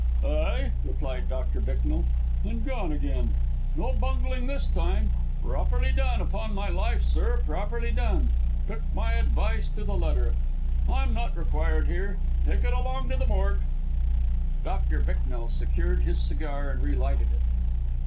"Ay," replied Doctor Bicknell, "and gone again. No bungling this time. Properly done, upon my life, sir, properly done. Took my advice to the letter. I'm not required here. Take it along to the morgue." Doctor Bicknell secured his cigar and relighted it.